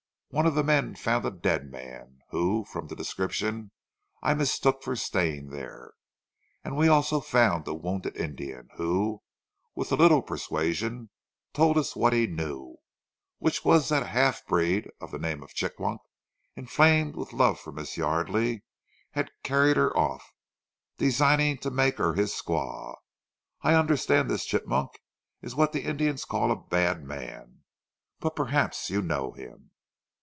One of the men found a dead man, who, from the description, I mistook for Stane there, and we also found a wounded Indian, who, with a little persuasion, told us what he knew, which was that a half breed, of the name of Chigmok, inflamed with love for Miss Yardely, had carried her off, designing to make her his squaw. I understand this Chigmok is what the Indians call a bad man but perhaps you know him?"